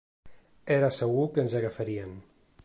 Era segur que ens agafarien